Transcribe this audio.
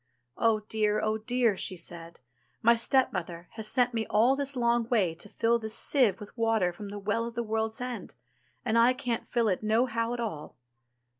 "Oh dear! oh dear!" she said, my stepmother has sent me all this long way to fill this sieve with water from the Well of the World's End, and I can't fill it no how at all."